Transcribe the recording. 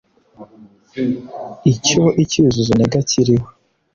icyo icyuzuzo ntega kiriho